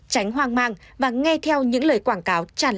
tránh hoang mang và nghe theo những lời quảng cáo tràn lan trên mạng